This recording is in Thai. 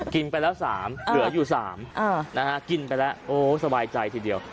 กินไปแล้ว๓เหลืออยู่๓กินไปแล้วโอ้สบายใจทีเดียว